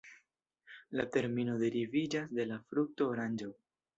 La termino deriviĝas de la frukto oranĝo.